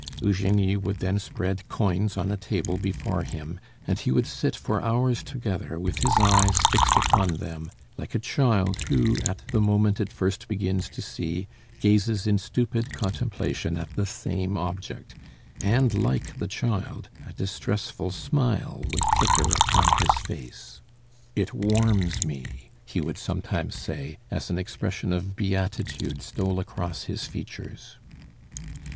Eugenie would then spread coins on a table before him, and he would sit for hours together with his eyes fixed upon them, like a child who, at the moment it first begins to see, gazes in stupid contemplation at the same object, and like the child, a distressful smile would flicker upon his face. "It warms me!" he would sometimes say, as an expression of beatitude stole across his features.